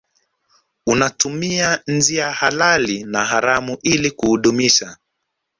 Unatumia njia halali na haramu ili kuudumisha